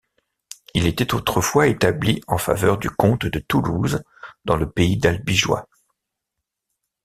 Il était autrefois établi en faveur du comte de Toulouse dans le pays d'Albigeois.